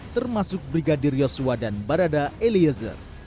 termasuk brigadir yosua dan barada eliezer